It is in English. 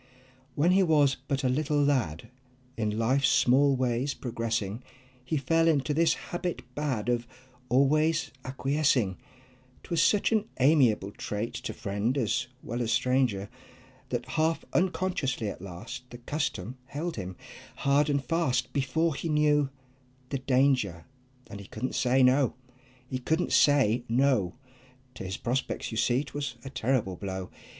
When he was but a little lad, In life's small ways progressing, He fell into this habit bad Of always acquiescing; 'Twas such an amiable trait, To friend as well as stranger, That half unconsciously at last The custom held him hard and fast Before he knew the danger, And he couldn't say "No!" He couldn't say "No!" To his prospects you see 'twas a terrible blow.